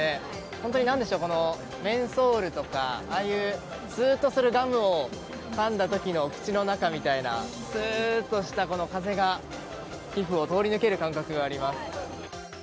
本当に、メンソールとかああいう、スーッとするガムをかんだ時の口の中みたいなスーッとした風が皮膚を通り抜ける感覚があります。